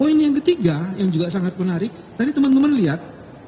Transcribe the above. poin yang ketiga yang juga sangat menarik tadi teman teman lihat